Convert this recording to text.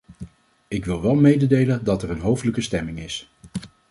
Ik wil wel mededelen dat er een hoofdelijke stemming is.